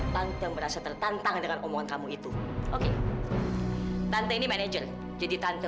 tante merasa tertantang dengan omongan kamu itu oke tante ini manajer jadi tante